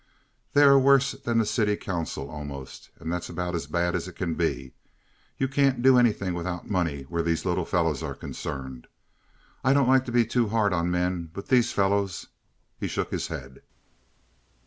"They're worse than the city council almost, and that's about as bad as it can be. You can't do anything without money where these little fellows are concerned. I don't like to be too hard on men, but these fellows—" He shook his head.